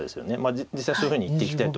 実際はそういうふうに言っていきたいところです